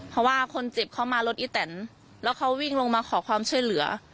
เพราะว่าคนเจ็บเขามารถอีแตนแล้วเขาวิ่งลงมาขอความช่วยเหลือ